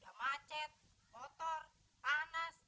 ya macet motor panas